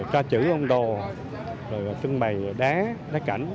ca chữ ông đồ trưng bày đá đá cảnh